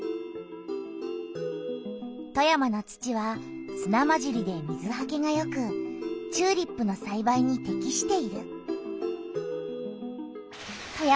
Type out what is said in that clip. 富山の土はすなまじりで水はけがよくチューリップのさいばいにてきしている。